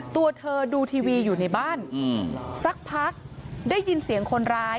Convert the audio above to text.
ตัวเธอดูทีวีอยู่ในบ้านสักพักได้ยินเสียงคนร้าย